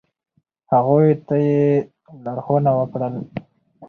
، هغوی ته یی لارښونه وکړه ل